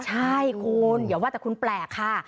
ใช่คุณเดี๋ยวว่าแต่คุณแปลกค่ะ